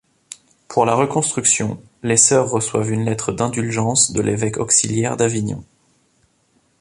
Pour la reconstruction, les sœurs reçoivent une lettre d'indulgence de l'évêque auxiliaire d'Avignon.